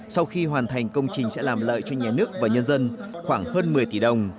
sau khi hoàn thành công trình sẽ làm lợi cho nhà nước và nhân dân khoảng hơn một mươi tỷ đồng